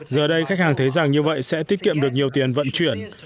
giờ đây khách hàng thấy rằng như vậy sẽ tiết kiệm được nhiều tiền vận chuyển